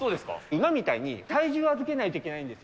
馬みたいに体重を預けないといけないんですよ。